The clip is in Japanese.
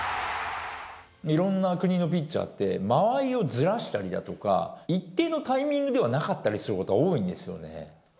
いろんな国のピッチャーって、間合いをずらしたりだとか、一定のタイミングではなかったりすることが多いんですよね。